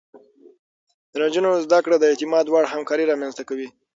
د نجونو زده کړه د اعتماد وړ همکاري رامنځته کوي.